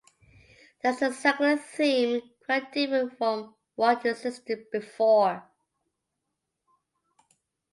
It has a circular theme, quite different from what existed before.